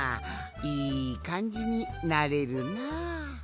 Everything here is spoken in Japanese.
いいかんじになれるなあ。